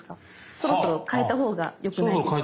そろそろ替えたほうがよくないですか？